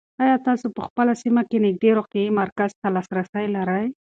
آیا تاسو په خپله سیمه کې نږدې روغتیایي مرکز ته لاسرسی لرئ؟